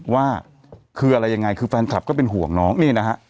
ว่าคืออะไรยังไงคือแฟนคลับก็เป็นห่วงน้องนี่นะฮะ